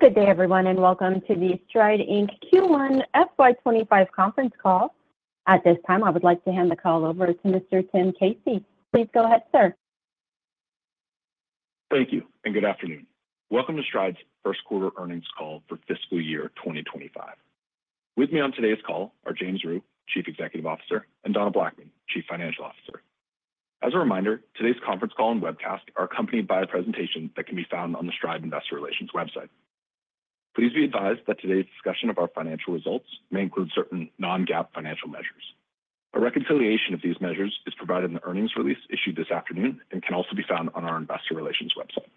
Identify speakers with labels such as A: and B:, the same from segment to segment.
A: Good day, everyone, and welcome to the Stride, Inc. Q1 FY 2025 conference call. At this time, I would like to hand the call over to Mr. Tim Casey. Please go ahead, sir.
B: Thank you and good afternoon. Welcome to Stride's first quarter earnings call for fiscal year 2025. With me on today's call are James Rhyu, Chief Executive Officer, and Donna Blackman, Chief Financial Officer. As a reminder, today's conference call and webcast are accompanied by a presentation that can be found on the Stride Investor Relations website. Please be advised that today's discussion of our financial results may include certain non-GAAP financial measures. A reconciliation of these measures is provided in the earnings release issued this afternoon and can also be found on our Investor Relations website.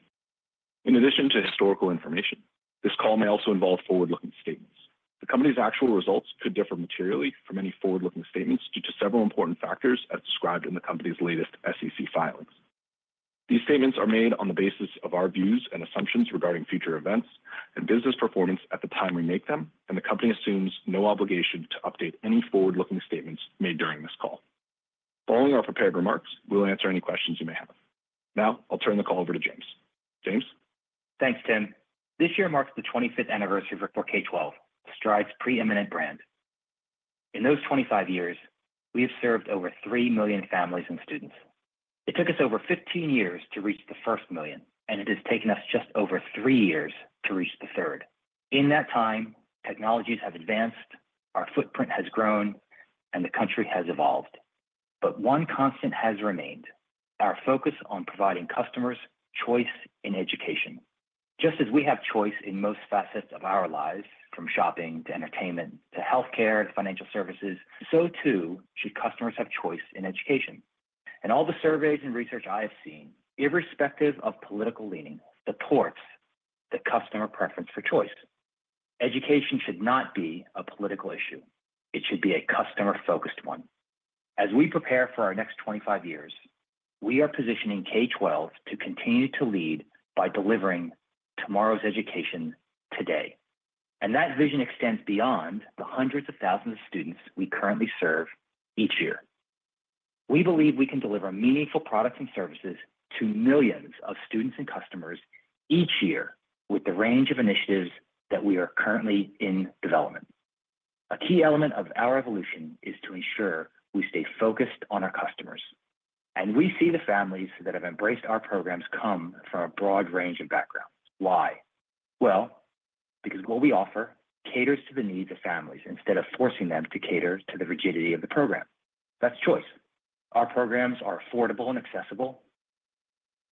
B: In addition to historical information, this call may also involve forward-looking statements. The company's actual results could differ materially from any forward-looking statements due to several important factors as described in the company's latest SEC filings. These statements are made on the basis of our views and assumptions regarding future events and business performance at the time we make them, and the company assumes no obligation to update any forward-looking statements made during this call. Following our prepared remarks, we'll answer any questions you may have. Now, I'll turn the call over to James. James?
C: Thanks, Tim. This year marks the 25th anniversary for K12, Stride's preeminent brand. In those 25 years, we have served over 3 million families and students. It took us over 15 years to reach the first million, and it has taken us just over 3 years to reach the third. In that time, technologies have advanced, our footprint has grown, and the country has evolved. But one constant has remained: our focus on providing customers choice in education. Just as we have choice in most facets of our lives, from shopping, to entertainment, to healthcare, to financial services, so too should customers have choice in education. And all the surveys and research I have seen, irrespective of political leaning, supports the customer preference for choice. Education should not be a political issue. It should be a customer-focused one. As we prepare for our next 25 years, we are positioning K12 to continue to lead by delivering tomorrow's education today, and that vision extends beyond the hundreds of thousands of students we currently serve each year. We believe we can deliver meaningful products and services to millions of students and customers each year with the range of initiatives that we are currently in development. A key element of our evolution is to ensure we stay focused on our customers, and we see the families that have embraced our programs come from a broad range of backgrounds. Why? Well, because what we offer caters to the needs of families instead of forcing them to cater to the rigidity of the program. That's choice. Our programs are affordable and accessible.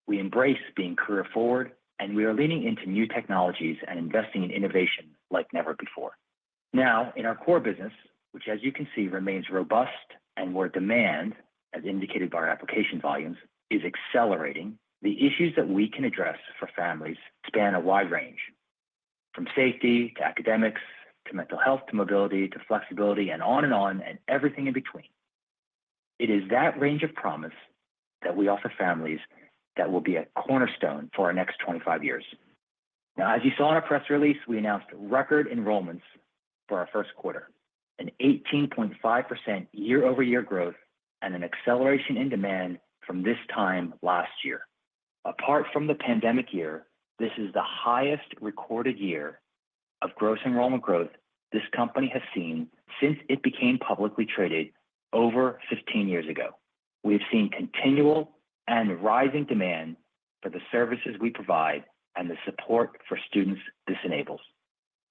C: We embrace being career-forward, and we are leaning into new technologies and investing in innovation like never before. Now, in our core business, which, as you can see, remains robust and where demand, as indicated by our application volumes, is accelerating, the issues that we can address for families span a wide range, from safety, to academics, to mental health, to mobility, to flexibility, and on and on, and everything in between. It is that range of promise that we offer families that will be a cornerstone for our next 25 years. Now, as you saw in our press release, we announced record enrollments for our first quarter, an 18.5% year-over-year growth and an acceleration in demand from this time last year. Apart from the pandemic year, this is the highest recorded year of gross enrollment growth this company has seen since it became publicly traded over 15 years ago. We've seen continual and rising demand for the services we provide and the support for students this enables.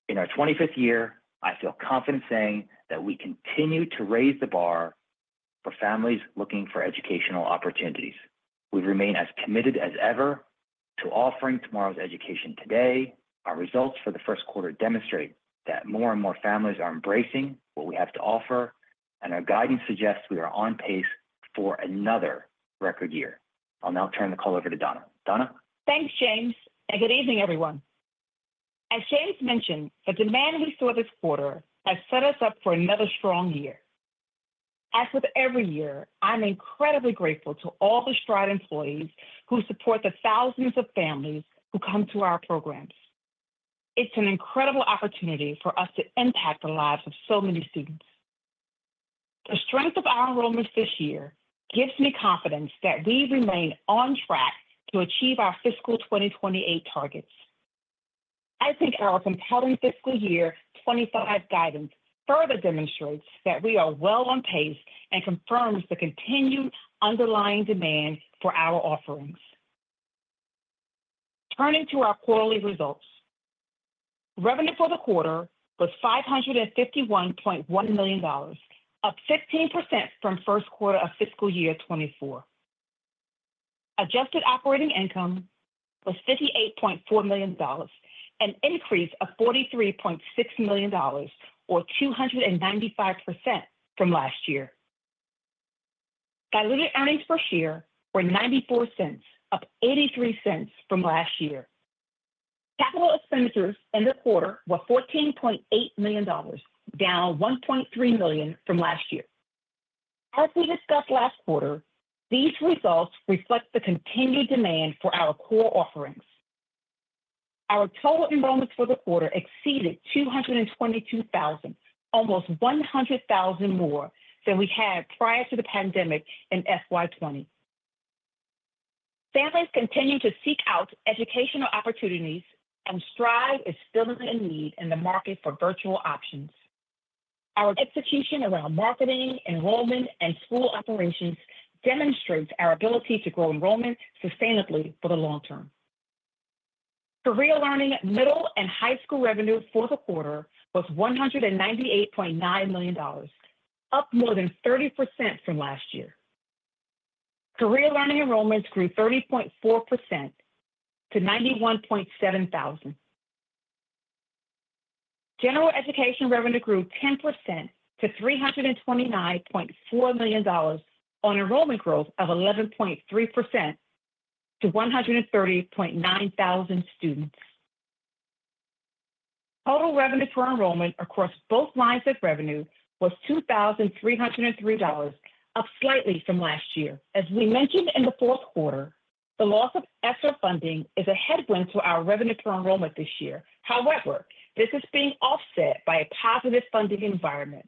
C: In our 25th year, I feel confident saying that we continue to raise the bar for families looking for educational opportunities. We remain as committed as ever to offering tomorrow's education today. Our results for the first quarter demonstrate that more and more families are embracing what we have to offer, and our guidance suggests we are on pace for another record year. I'll now turn the call over to Donna. Donna?
D: Thanks, James, and good evening, everyone. As James mentioned, the demand we saw this quarter has set us up for another strong year. As with every year, I'm incredibly grateful to all the Stride employees who support the thousands of families who come to our programs. It's an incredible opportunity for us to impact the lives of so many students. The strength of our enrollments this year gives me confidence that we remain on track to achieve our fiscal 2028 targets. I think our compelling fiscal year 2025 guidance further demonstrates that we are well on pace and confirms the continued underlying demand for our offerings. Turning to our quarterly results, revenue for the quarter was $551.1 million, up 15% from first quarter of fiscal year 2024. Adjusted operating income was $58.4 million, an increase of $43.6 million, or 295% from last year. Diluted earnings per share were $0.94, up $0.83 from last year. Capital expenditures in the quarter were $14.8 million, down $1.3 million from last year. As we discussed last quarter, these results reflect the continued demand for our core offerings. Our total enrollments for the quarter exceeded 222,000, almost 100,000 more than we had prior to the pandemic in FY 2020. Families continue to seek out educational opportunities, and Stride is filling a need in the market for virtual options. Our execution around marketing, enrollment, and school operations demonstrates our ability to grow enrollment sustainably for the long term. Career Learning middle and high school revenue for the quarter was $198.9 million, up more than 30% from last year. Career Learning enrollments grew 30.4% to 91,700. General Education revenue grew 10% to $329.4 million on enrollment growth of 11.3% to 130,900 students. Total revenue per enrollment across both lines of revenue was $2,303, up slightly from last year. As we mentioned in the fourth quarter, the loss of ESSER funding is a headwind to our revenue per enrollment this year. However, this is being offset by a positive funding environment.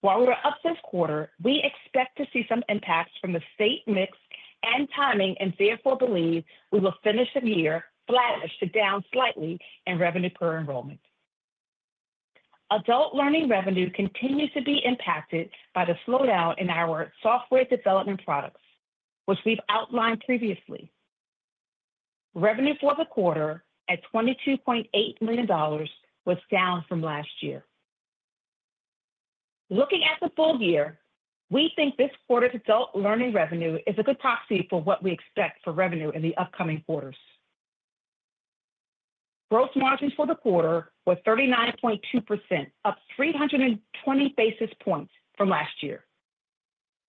D: While we are up this quarter, we expect to see some impacts from the state mix and timing, and therefore believe we will finish the year flatish to down slightly in revenue per enrollment. Adult Learning revenue continues to be impacted by the slowdown in our software development products, which we've outlined previously. Revenue for the quarter, at $22.8 million, was down from last year. Looking at the full year, we think this quarter's Adult Learning revenue is a good proxy for what we expect for revenue in the upcoming quarters. Gross margins for the quarter were 39.2%, up 320 basis points from last year.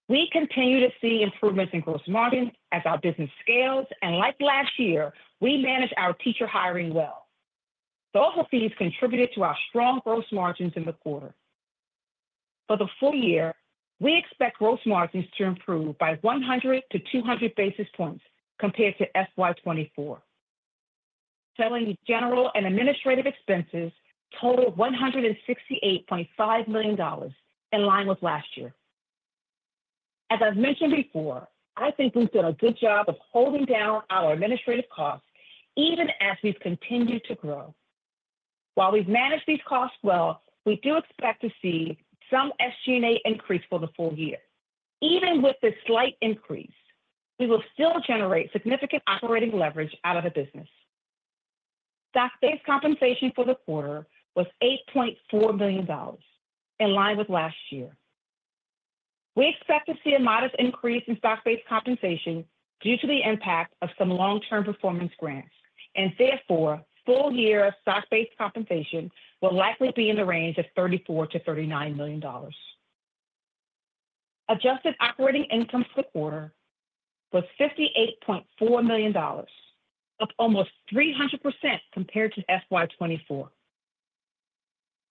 D: We continue to see improvements in gross margins as our business scales, and like last year, we managed our teacher hiring well. Both of these contributed to our strong gross margins in the quarter. For the full year, we expect gross margins to improve by 100-200 basis points compared to FY 2024. Selling, general, and administrative expenses totaled $168.5 million, in line with last year. As I've mentioned before, I think we've done a good job of holding down our administrative costs, even as we've continued to grow. While we've managed these costs well, we do expect to see some SG&A increase for the full year. Even with this slight increase, we will still generate significant operating leverage out of the business. Stock-based compensation for the quarter was $8.4 million, in line with last year. We expect to see a modest increase in stock-based compensation due to the impact of some long-term performance grants, and therefore, full-year stock-based compensation will likely be in the range of $34 million-$39 million. Adjusted operating income for the quarter was $58.4 million, up almost 300% compared to FY 2024.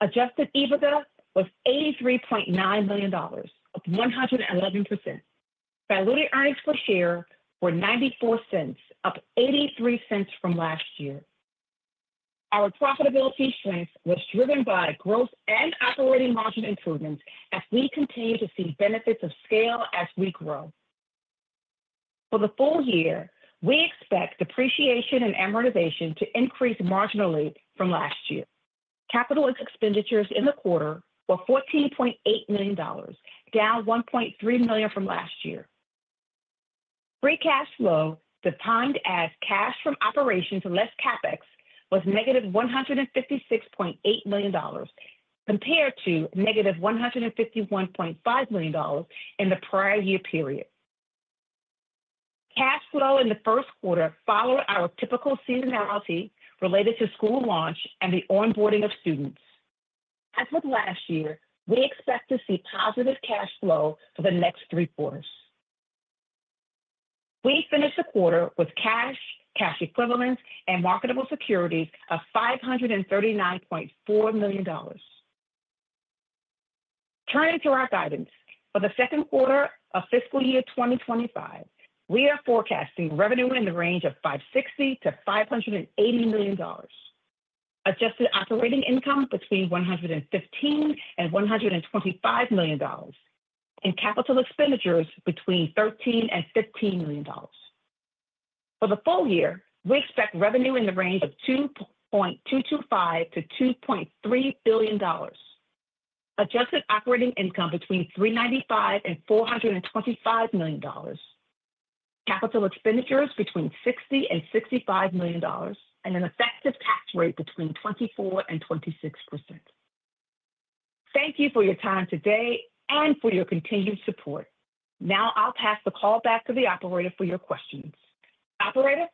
D: Adjusted EBITDA was $83.9 million, up 111%. Diluted earnings per share were $0.94, up $0.83 from last year. Our profitability strength was driven by growth and operating margin improvements as we continue to see benefits of scale as we grow. For the full year, we expect depreciation and amortization to increase marginally from last year. Capital expenditures in the quarter were $14.8 million, down $1.3 million from last year. Free cash flow, defined as cash from operations less CapEx, was -$156.8 million, compared to -$151.5 million in the prior year period. Cash flow in the first quarter followed our typical seasonality related to school launch and the onboarding of students. As with last year, we expect to see positive cash flow for the next three quarters. We finished the quarter with cash, cash equivalents, and marketable securities of $539.4 million. Turning to our guidance. For the second quarter of fiscal year 2025, we are forecasting revenue in the range of $560 million-$580 million, adjusted operating income between $115 million and $125 million, and capital expenditures between $13 million and $15 million. For the full year, we expect revenue in the range of $2.225 billion-$2.3 billion, adjusted operating income between $395 million and $425 million, capital expenditures between $60 million and $65 million, and an effective tax rate between 24% and 26%. Thank you for your time today and for your continued support. Now I'll pass the call back to the operator for your questions. Operator?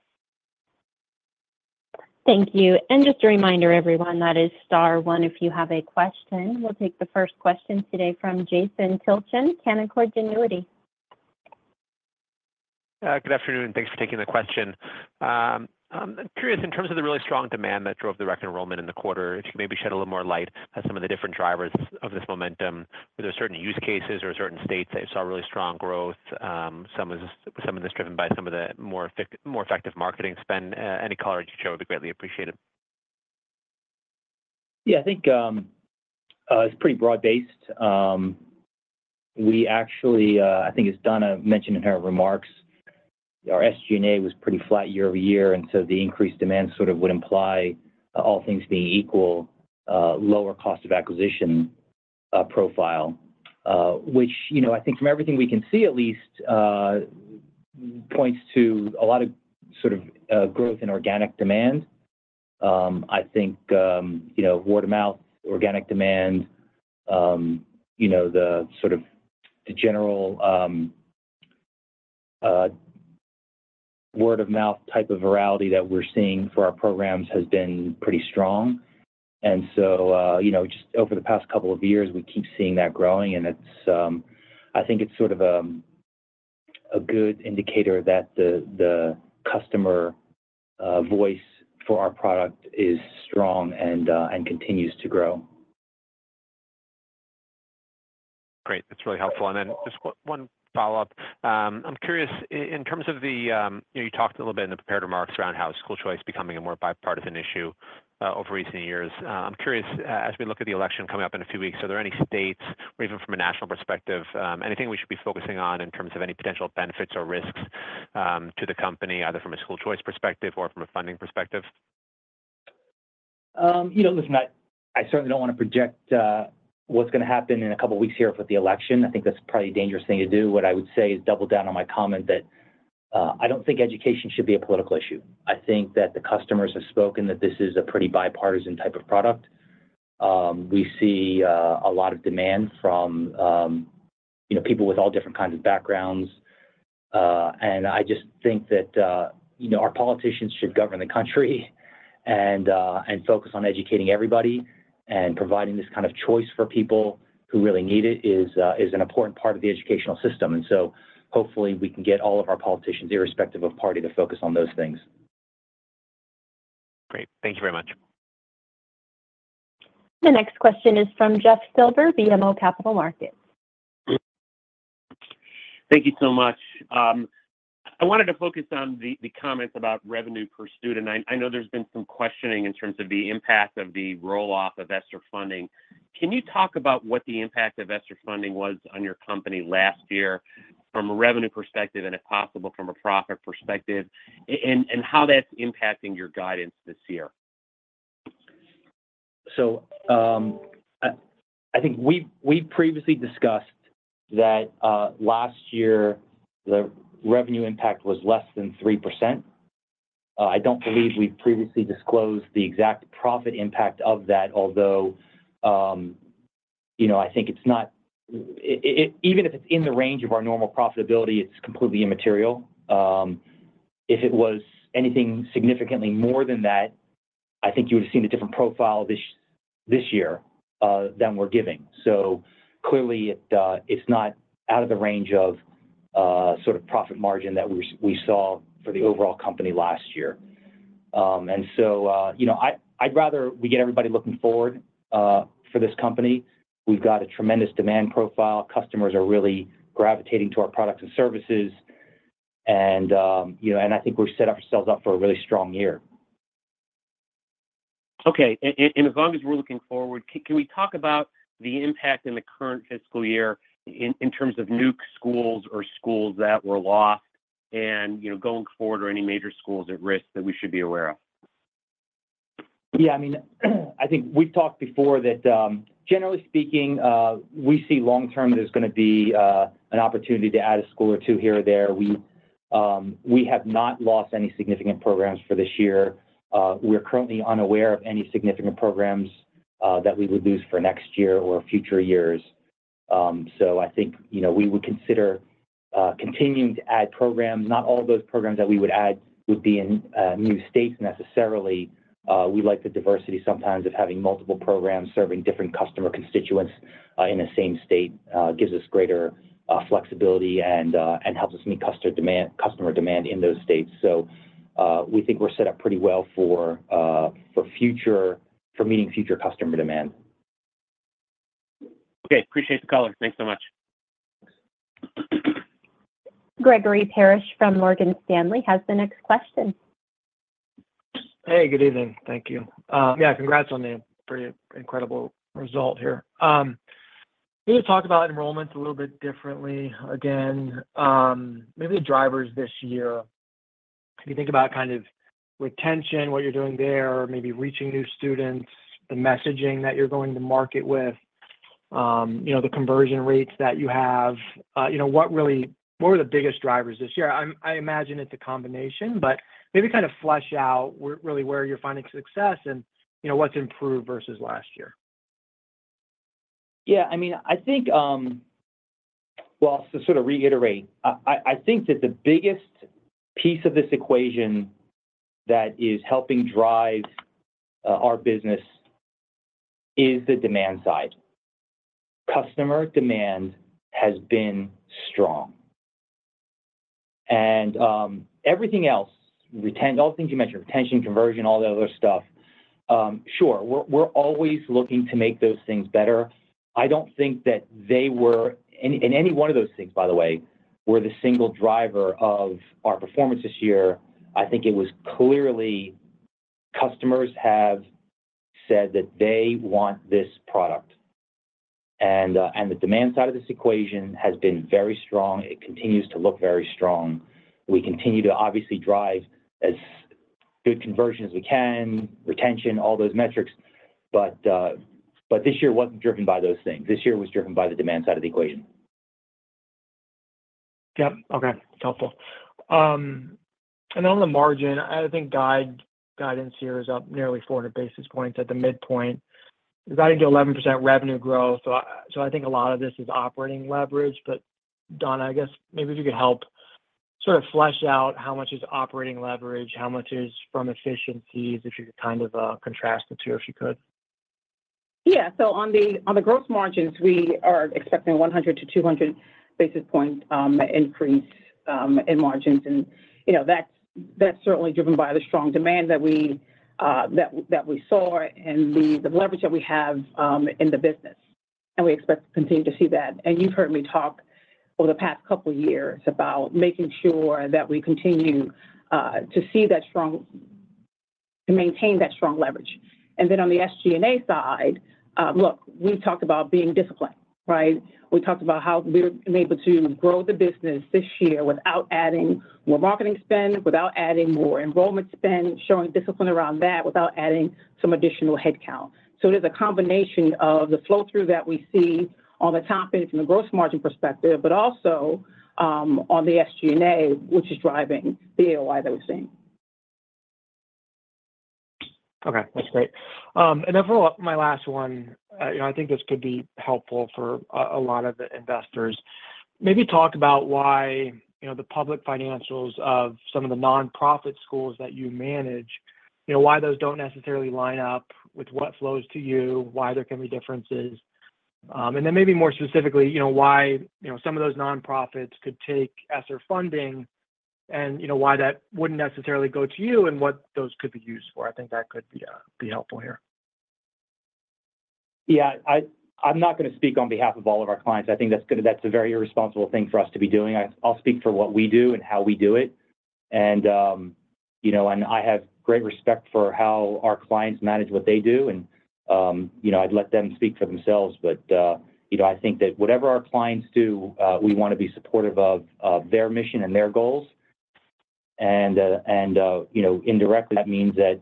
A: Thank you. And just a reminder, everyone, that is star one if you have a question. We'll take the first question today from Jason Tilchen, Canaccord Genuity.
E: Good afternoon, and thanks for taking the question. I'm curious in terms of the really strong demand that drove the record enrollment in the quarter, if you could maybe shed a little more light on some of the different drivers of this momentum. Were there certain use cases or certain states that you saw really strong growth? Some of this driven by some of the more effective marketing spend? Any color you could share would be greatly appreciated.
C: Yeah, I think it's pretty broad-based. We actually, I think, as Donna mentioned in her remarks, our SG&A was pretty flat year-over-year, and so the increased demand sort of would imply, all things being equal, a lower cost of acquisition profile. Which, you know, I think from everything we can see at least points to a lot of sort of growth in organic demand. I think, you know, word-of-mouth, organic demand, you know, the sort of the general word-of-mouth type of virality that we're seeing for our programs has been pretty strong. And so, you know, just over the past couple of years, we keep seeing that growing, and it's, I think it's sort of a good indicator that the customer voice for our product is strong and continues to grow.
E: Great. That's really helpful. And then just one follow-up. I'm curious in terms of the, you know, you talked a little bit in the prepared remarks around how school choice is becoming a more bipartisan issue over recent years. I'm curious, as we look at the election coming up in a few weeks, are there any states or even from a national perspective, anything we should be focusing on in terms of any potential benefits or risks to the company, either from a school choice perspective or from a funding perspective?
C: You know, listen, I certainly don't want to project what's going to happen in a couple of weeks here with the election. I think that's probably a dangerous thing to do. What I would say is double down on my comment that I don't think education should be a political issue. I think that the customers have spoken, that this is a pretty bipartisan type of product. We see a lot of demand from, you know, people with all different kinds of backgrounds, and I just think that, you know, our politicians should govern the country and focus on educating everybody and providing this kind of choice for people who really need it is an important part of the educational system. And so hopefully, we can get all of our politicians, irrespective of party, to focus on those things.
E: Great. Thank you very much.
A: The next question is from Jeff Silber, BMO Capital Markets.
F: Thank you so much. I wanted to focus on the comments about revenue per student. I know there's been some questioning in terms of the impact of the roll-off of ESSER funding. Can you talk about what the impact of ESSER funding was on your company last year from a revenue perspective, and if possible, from a profit perspective, and how that's impacting your guidance this year?
C: I think we've previously discussed that last year, the revenue impact was less than 3%. I don't believe we've previously disclosed the exact profit impact of that, although you know, I think even if it's in the range of our normal profitability, it's completely immaterial. If it was anything significantly more than that, I think you would have seen a different profile this year than we're giving. Clearly, it's not out of the range of sort of profit margin that we saw for the overall company last year, and so you know, I'd rather we get everybody looking forward for this company. We've got a tremendous demand profile. Customers are really gravitating to our products and services, and, you know, and I think we've set ourselves up for a really strong year.
F: Okay. And as long as we're looking forward, can we talk about the impact in the current fiscal year in terms of nuked schools or schools that were lost and, you know, going forward, are any major schools at risk that we should be aware of?
C: Yeah, I mean, I think we've talked before that, generally speaking, we see long term, there's going to be an opportunity to add a school or two here or there. We have not lost any significant programs for this year. We're currently unaware of any significant programs that we would lose for next year or future years. So I think, you know, we would consider continuing to add programs. Not all of those programs that we would add would be in new states necessarily. We like the diversity sometimes of having multiple programs serving different customer constituents in the same state, gives us greater flexibility and helps us meet customer demand in those states. So, we think we're set up pretty well for meeting future customer demand.
F: Okay. Appreciate the color. Thanks so much.
A: Gregory Parrish from Morgan Stanley has the next question.
G: Hey, good evening. Thank you. Yeah, congrats on the pretty incredible result here. Can you talk about enrollments a little bit differently again, maybe the drivers this year? If you think about kind of retention, what you're doing there, or maybe reaching new students, the messaging that you're going to market with, you know, the conversion rates that you have, you know, what really, what are the biggest drivers this year? I'm, I imagine it's a combination, but maybe kind of flesh out where, really where you're finding success and, you know, what's improved versus last year.
C: Yeah, I mean, I think. Well, to sort of reiterate, I think that the biggest piece of this equation that is helping drive our business is the demand side. Customer demand has been strong. And everything else, all the things you mentioned, retention, conversion, all the other stuff, sure, we're always looking to make those things better. I don't think that they were. In any one of those things, by the way, were the single driver of our performance this year. I think it was clearly customers have said that they want this product, and the demand side of this equation has been very strong. It continues to look very strong. We continue to obviously drive as good conversion as we can, retention, all those metrics, but this year wasn't driven by those things. This year was driven by the demand side of the equation.
G: Yep. Okay. It's helpful, and on the margin, I think guidance here is up nearly 400 basis points at the midpoint. It's adding to 11% revenue growth, so I think a lot of this is operating leverage, but Donna, I guess maybe if you could help sort of flesh out how much is operating leverage, how much is from efficiencies, if you could kind of contrast the two, if you could.
D: Yeah. So on the gross margins, we are expecting 100 basis points-200 basis points increase in margins. And, you know, that's certainly driven by the strong demand that we saw and the leverage that we have in the business, and we expect to continue to see that. And you've heard me talk over the past couple of years about making sure that we continue to maintain that strong leverage. And then on the SG&A side, look, we talked about being disciplined, right? We talked about how we've been able to grow the business this year without adding more marketing spend, without adding more enrollment spend, showing discipline around that, without adding some additional headcount. So it is a combination of the flow-through that we see on the top end from a gross margin perspective, but also, on the SG&A, which is driving the AOI that we're seeing.
G: Okay, that's great. And then for my last one, you know, I think this could be helpful for a lot of the investors. Maybe talk about why, you know, the public financials of some of the nonprofit schools that you manage, you know, why those don't necessarily line up with what flows to you, why there can be differences? And then maybe more specifically, you know, why, you know, some of those nonprofits could take ESSER funding and, you know, why that wouldn't necessarily go to you and what those could be used for. I think that could be helpful here.
C: Yeah, I'm not gonna speak on behalf of all of our clients. I think that's a very irresponsible thing for us to be doing. I'll speak for what we do and how we do it. And, you know, and I have great respect for how our clients manage what they do, and, you know, I'd let them speak for themselves. But, you know, I think that whatever our clients do, we wanna be supportive of their mission and their goals. And, you know, indirectly, that means that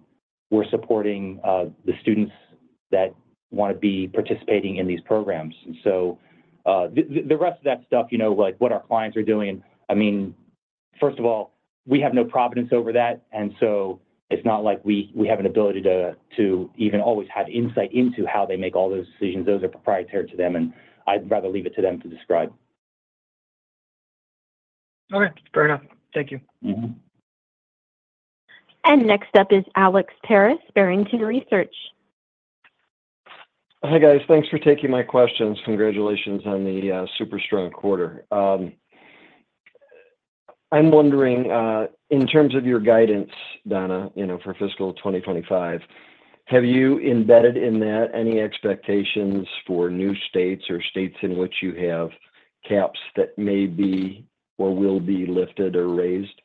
C: we're supporting the students that wanna be participating in these programs. And so, the rest of that stuff, you know, like what our clients are doing, I mean, first of all, we have no providence over that, and so it's not like we have an ability to even always have insight into how they make all those decisions. Those are proprietary to them, and I'd rather leave it to them to describe.
G: All right. Fair enough. Thank you.
C: Mm-hmm.
A: Next up is Alex Paris, Barrington Research.
H: Hi, guys. Thanks for taking my questions. Congratulations on the super strong quarter. I'm wondering, in terms of your guidance, Donna, you know, for fiscal 2025, have you embedded in that any expectations for new states or states in which you have caps that may be or will be lifted or raised?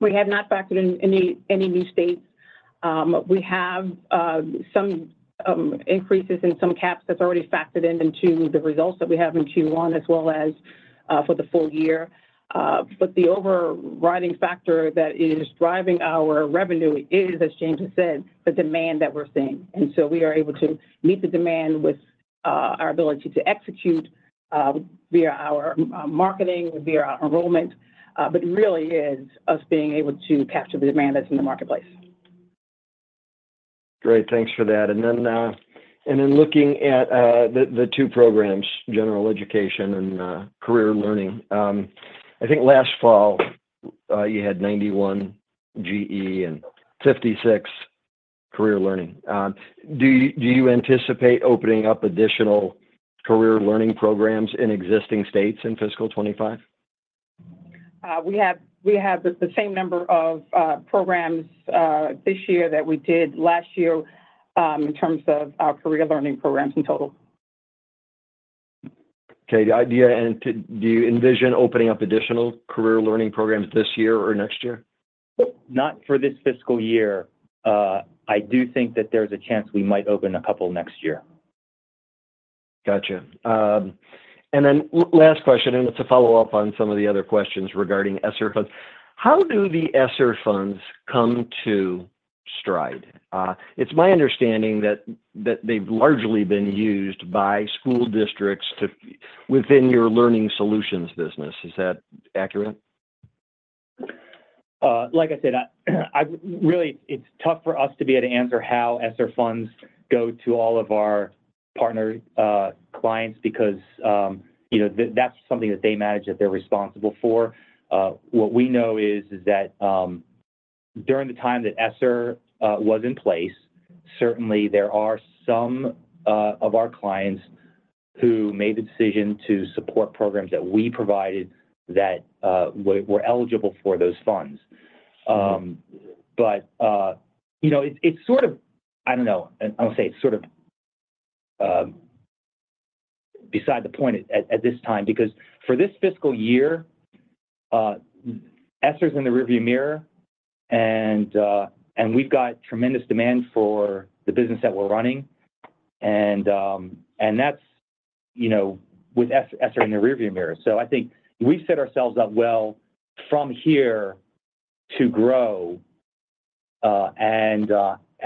D: We have not factored in any new states. We have some increases in some caps that's already factored in into the results that we have in Q1, as well as for the full year. But the overriding factor that is driving our revenue is, as James has said, the demand that we're seeing. And so we are able to meet the demand with our ability to execute via our marketing, via our enrollment, but it really is us being able to capture the demand that's in the marketplace.
H: Great. Thanks for that. And then looking at the two programs, General Education and Career Learning, I think last fall you had 91 GE and 56 Career Learning. Do you anticipate opening up additional Career Learning programs in existing states in fiscal 2025?
D: We have the same number of programs this year that we did last year, in terms of our Career Learning programs in total.
H: Okay. The idea. Do you envision opening up additional Career Learning programs this year or next year?
C: Not for this fiscal year. I do think that there's a chance we might open a couple next year.
H: Gotcha. And then last question, and it's a follow-up on some of the other questions regarding ESSER funds. How do the ESSER funds come to Stride? It's my understanding that they've largely been used by school districts within your Learning Solutions business. Is that accurate?
C: Like I said, I really, it's tough for us to be able to answer how ESSER funds go to all of our partner clients, because you know, that's something that they manage, that they're responsible for. What we know is that during the time that ESSER was in place, certainly there are some of our clients who made the decision to support programs that we provided that were eligible for those funds. But you know, it's sort of, I don't know, and I'll say it's sort of beside the point at this time, because for this fiscal year, ESSER's in the rearview mirror, and we've got tremendous demand for the business that we're running, and that's you know, with ESSER in the rearview mirror. So I think we've set ourselves up well from here to grow,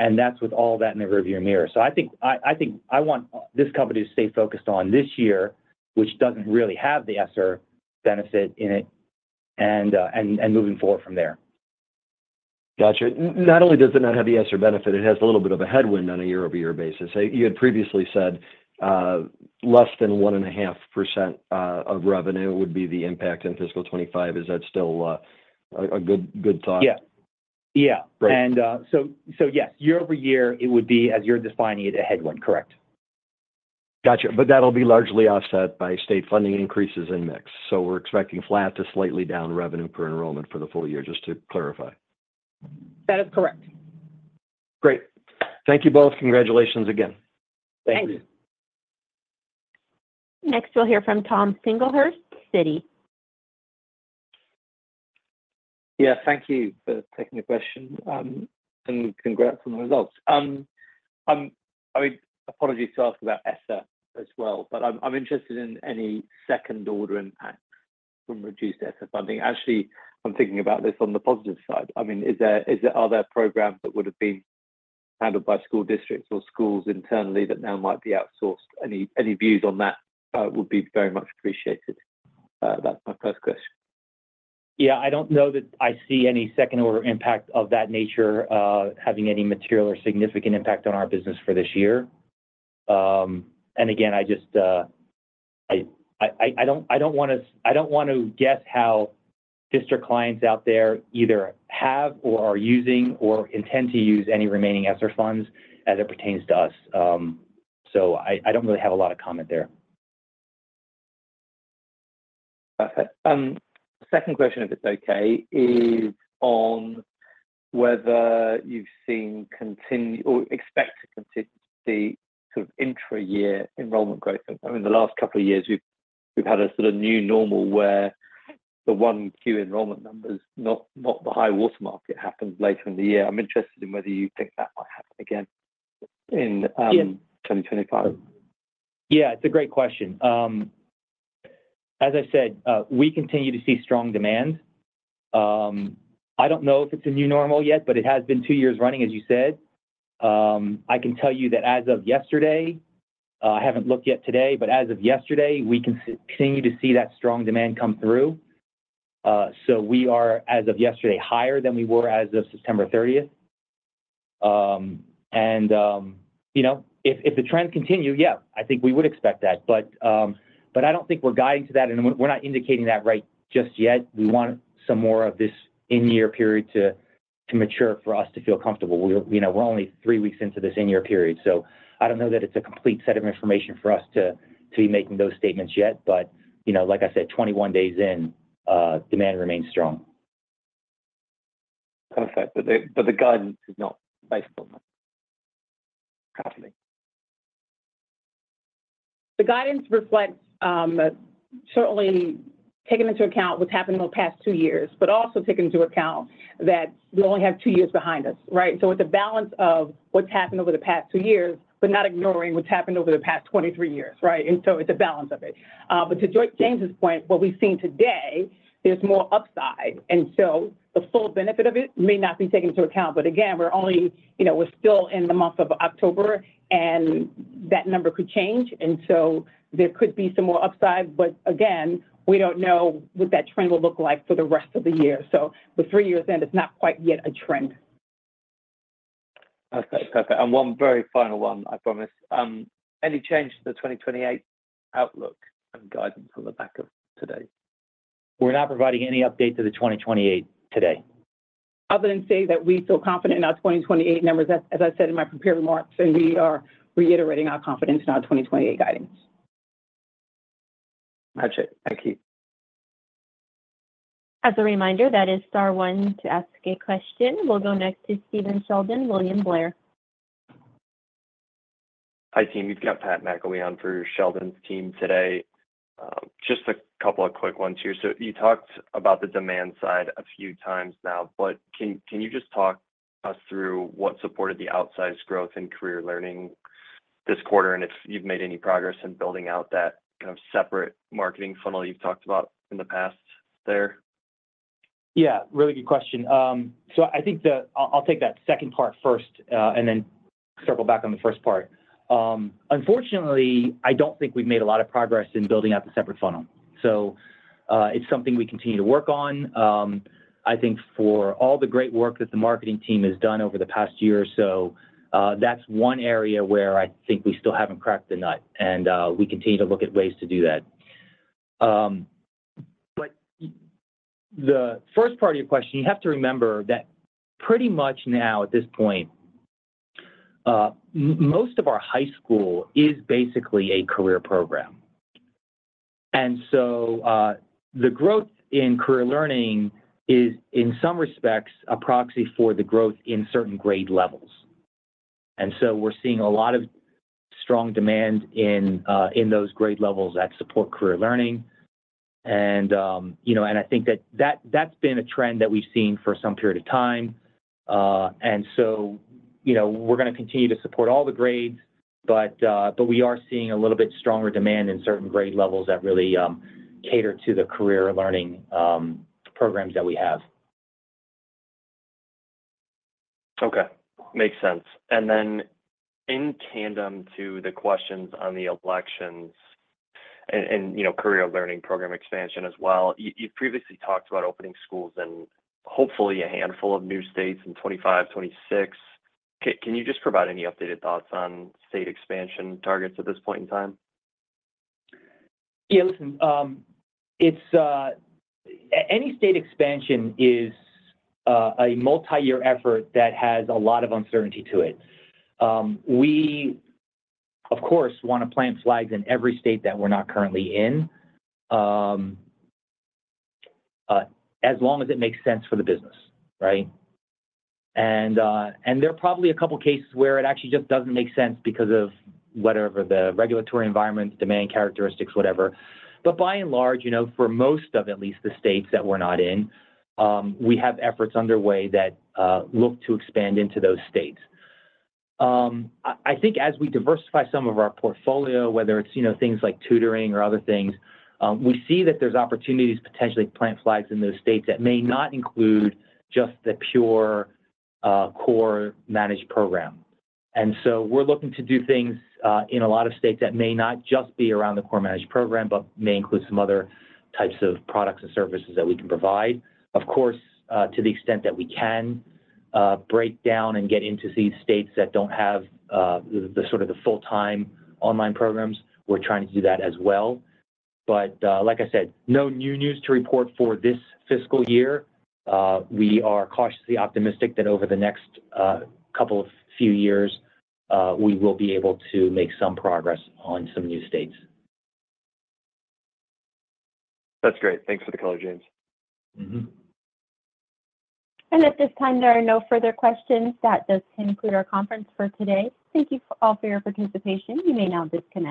C: and that's with all that in the rearview mirror. So I think I want this company to stay focused on this year, which doesn't really have the ESSER benefit in it, and moving forward from there.
H: Gotcha. Not only does it not have the ESSER benefit, it has a little bit of a headwind on a year-over-year basis. You had previously said, less than 1.5% of revenue would be the impact in fiscal 2025. Is that still a good thought?
C: Yeah. Yeah.
H: Great.
C: So yes, year-over-year, it would be, as you're defining it, a headwind. Correct.
H: Gotcha. But that'll be largely offset by state funding increases in mix. So we're expecting flat to slightly down revenue per enrollment for the full year, just to clarify.
D: That is correct.
H: Great. Thank you both. Congratulations again.
C: Thank you.
D: Thanks.
A: Next, we'll hear from Tom Singlehurst, Citi.
I: Yeah, thank you for taking the question, and congrats on the results. I mean, apologies to ask about ESSER as well, but I'm interested in any second order impact from reduced ESSER funding. Actually, I'm thinking about this on the positive side. I mean, is there other programs that would have been handled by school districts or schools internally that now might be outsourced? Any views on that would be very much appreciated. That's my first question.
C: Yeah, I don't know that I see any second order impact of that nature, having any material or significant impact on our business for this year. And again, I just don't want to guess how district clients out there either have or are using or intend to use any remaining ESSER funds as it pertains to us. So I don't really have a lot of comment there.
I: Perfect. Second question, if it's okay, is on whether you've seen continue or expect to continue to see sort of intra-year enrollment growth. I mean, the last couple of years, we've had a sort of new normal where the Q1 enrollment numbers, not the high watermark, it happens later in the year. I'm interested in whether you think that might happen again in-
C: Yeah
I: 2025.
C: Yeah, it's a great question. As I said, we continue to see strong demand. I don't know if it's a new normal yet, but it has been two years running, as you said. I can tell you that as of yesterday, I haven't looked yet today, but as of yesterday, we continue to see that strong demand come through. So we are, as of yesterday, higher than we were as of September 30th. And you know, if the trends continue, yeah, I think we would expect that. But I don't think we're guiding to that, and we're not indicating that right just yet. We want some more of this in-year period to mature for us to feel comfortable. We're, you know, we're only three weeks into this in-year period, so I don't know that it's a complete set of information for us to, to be making those statements yet, but you know, like I said, 21 days in, demand remains strong.
I: Perfect. But the guidance is not based on that, currently?
D: The guidance reflects, certainly taking into account what's happened over the past two years, but also taking into account that we only have two years behind us, right? So it's a balance of what's happened over the past two years, but not ignoring what's happened over the past 23 years, right? And so it's a balance of it. But to James' point, what we've seen today, there's more upside, and so the full benefit of it may not be taken into account. But again, you know, we're still in the month of October, and that number could change, and so there could be some more upside. But again, we don't know what that trend will look like for the rest of the year. So with three years in, is not quite yet a trend.
I: Okay. Perfect. And one very final one, I promise. Any change to the 2028 outlook and guidance on the back of today?
C: We're not providing any update to the 2028 today.
D: Other than say that we feel confident in our 2028 numbers, as I said in my prepared remarks, and we are reiterating our confidence in our 2028 guidance.
I: Gotcha. Thank you.
A: As a reminder, that is star one to ask a question. We'll go next to Stephen Sheldon, William Blair.
J: Hi, team. You've got Pat McIlwee for Sheldon's team today. Just a couple of quick ones here. So you talked about the demand side a few times now, but can you just talk us through what supported the outsized growth in Career Learning this quarter, and if you've made any progress in building out that kind of separate marketing funnel you've talked about in the past there?
C: Yeah, really good question, so I think I'll take that second part first, and then circle back on the first part. Unfortunately, I don't think we've made a lot of progress in building out the separate funnel, so it's something we continue to work on. I think for all the great work that the marketing team has done over the past year or so, that's one area where I think we still haven't cracked the nut, and we continue to look at ways to do that, but the first part of your question, you have to remember that pretty much now, at this point, most of our high school is basically a career program, and so the growth in Career Learning is, in some respects, a proxy for the growth in certain grade levels. And so we're seeing a lot of strong demand in those grade levels that support Career Learning. And, you know, and I think that that's been a trend that we've seen for some period of time. And so, you know, we're gonna continue to support all the grades, but we are seeing a little bit stronger demand in certain grade levels that really cater to the Career Learning programs that we have.
J: Okay, makes sense. And then in tandem to the questions on the elections and, you know, Career Learning program expansion as well, you've previously talked about opening schools and hopefully a handful of new states in 2025, 2026. Can you just provide any updated thoughts on state expansion targets at this point in time?
C: Yeah, listen, it's any state expansion is a multi-year effort that has a lot of uncertainty to it. We, of course, want to plant flags in every state that we're not currently in, as long as it makes sense for the business, right? And there are probably a couple of cases where it actually just doesn't make sense because of whatever the regulatory environment, demand characteristics, whatever. But by and large, you know, for most of at least the states that we're not in, we have efforts underway that look to expand into those states. I think as we diversify some of our portfolio, whether it's, you know, things like tutoring or other things, we see that there's opportunities to potentially plant flags in those states that may not include just the pure core managed program. And so we're looking to do things in a lot of states that may not just be around the core managed program, but may include some other types of products and services that we can provide. Of course, to the extent that we can break down and get into these states that don't have the sort of full-time online programs, we're trying to do that as well. But, like I said, no new news to report for this fiscal year. We are cautiously optimistic that over the next few years we will be able to make some progress on some new states.
J: That's great. Thanks for the color, James.
C: Mm-hmm.
A: At this time, there are no further questions. That does conclude our conference for today. Thank you all for your participation. You may now disconnect.